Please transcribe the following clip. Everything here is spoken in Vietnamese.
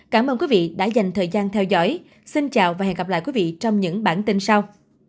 cảm ơn quý vị đã dành thời gian theo dõi xin chào và hẹn gặp lại quý vị trong những bản tin sau